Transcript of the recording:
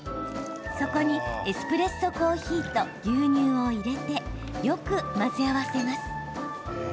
そこに、エスプレッソコーヒーと牛乳を入れてよく混ぜ合わせます。